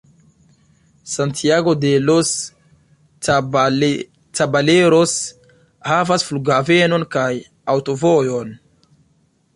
Santiago de los Caballeros havas flughavenon kaj aŭtovojon.